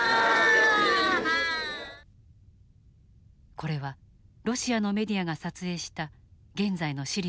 これはロシアのメディアが撮影した現在のシリアの映像。